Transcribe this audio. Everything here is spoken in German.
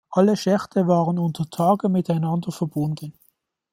Alle Schächte waren unter Tage miteinander verbunden.